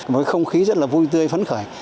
mới không khí rất là vui tươi phấn khởi